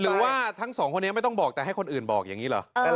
หรือว่าทั้งสองคนนี้ไม่ต้องบอกแต่ให้คนอื่นบอกอย่างนี้เหรอ